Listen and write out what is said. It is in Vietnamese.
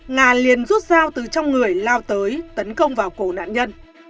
nga liền rút dao từ trong người lao tới tấn công vào cổ nạn nhân